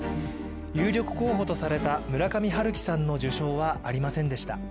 有力候補とされた村上春樹さんの受賞はありませんでした。